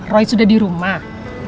roy sudah di rumah